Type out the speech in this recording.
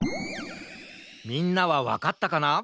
みんなはわかったかな？